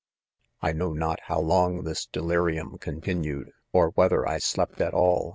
< I know not how long this delirium contin ued, or whether I slept at all